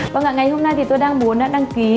vâng ạ ngày hôm nay thì tôi đang muốn đăng ký